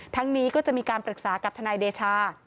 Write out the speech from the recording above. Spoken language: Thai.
นี้ก็จะมีการปรึกษากับทนายเดชา